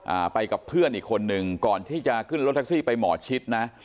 อ่าไปกับเพื่อนอีกคนนึงก่อนที่จะขึ้นรถแท็กซี่ไปหมอชิดนะ